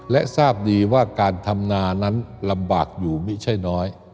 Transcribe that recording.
และทราบดีว่าการทำนานั้นลำบากอยู่ไม่ใช่น้อย